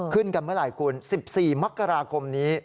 ขึ้นกันเมื่อไหร่คุณ๑๔มกราคมนี้